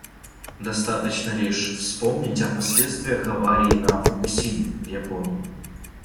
Достаточно лишь вспомнить о последствиях аварии на «Фукусиме» в Японии.